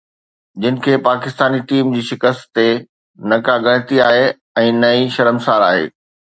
جن کي پاڪستاني ٽيم جي شڪست تي نه ڪا ڳڻتي آهي ۽ نه ئي شرمسار آهي